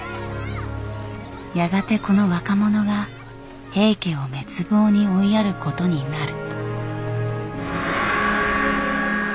やがてこの若者が平家を滅亡に追いやることになる。